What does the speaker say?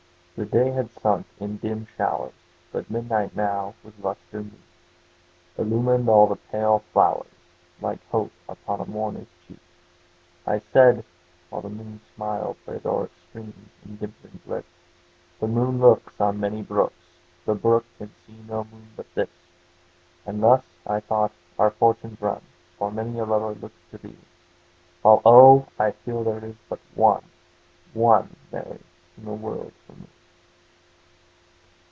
The day had sunk in dim showers, But midnight now, with lustre meet. Illumined all the pale flowers, Like hope upon a mourner's cheek. I said (while The moon's smile Played o'er a stream, in dimpling bliss,) "The moon looks "On many brooks, "The brook can see no moon but this;" And thus, I thought, our fortunes run, For many a lover looks to thee, While oh! I feel there is but one, One Mary in the world for me.